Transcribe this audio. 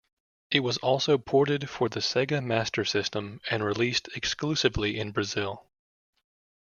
It was also ported for the Sega Master System and released exclusively in Brazil.